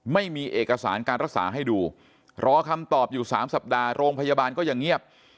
ไม่มีเอกสารการรักษาให้ดูรอคำตอบอยู่๓สัปดาห์โรงพยาบาลก็ยังเงียบ